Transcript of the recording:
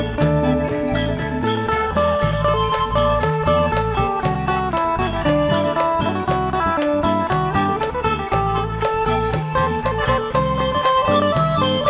โชว์ฮีตะโครน